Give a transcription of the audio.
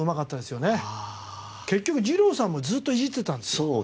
結局二郎さんもずっといじってたんですよ。